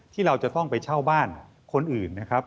ที่เราจะต้องไปเช่าบ้านคนอื่นนะครับ